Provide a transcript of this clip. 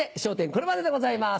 これまででございます